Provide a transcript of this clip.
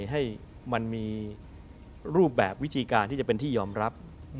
ให้มันมีรูปแบบวิธีการที่จะเป็นที่ยอมรับ